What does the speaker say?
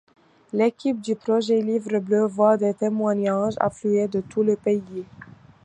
L'équipe du projet Livre Bleu voit des témoignages affluer de tout le pays.